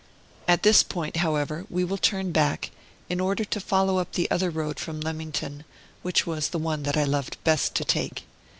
At this point, however, we will turn back, in order to follow up the other road from Leamington, which was the one that I loved best to take.